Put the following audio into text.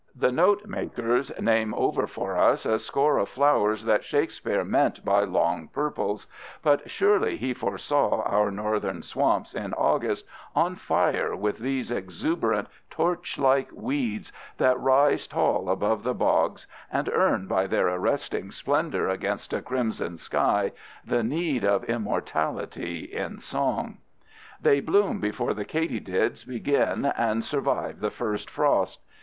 The note makers name over for us a score of flowers that Shakespeare meant by "long purples"; but surely he foresaw our Northern swamps in August, on fire with those exuberant, torchlike weeds that rise tall above the bogs and earn, by their arresting splendor against a crimson sky, the need of immortality in song. They bloom before the katydids begin and survive the first frost.